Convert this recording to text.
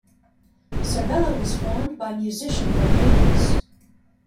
Cervello was formed by musician from Naples.